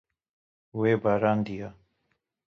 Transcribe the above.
We barandiye.